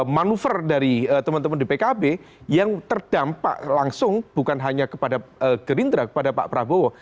manuver dari teman teman di pkb yang terdampak langsung bukan hanya kepada gerindra kepada pak prabowo